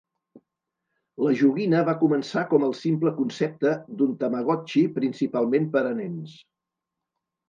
La joguina va començar com el simple concepte d'un Tamagotchi principalment per a nens.